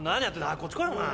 早くこっち来いお前。